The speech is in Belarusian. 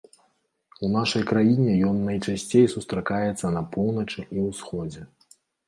У нашай краіне ён найчасцей сустракаецца на поўначы і ўсходзе.